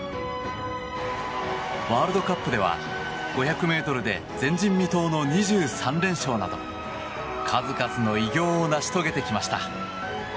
ワールドカップでは５００ｍで前人未到の２３連勝など数々の偉業を成し遂げてきました。